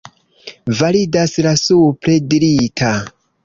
Validas la supre dirita.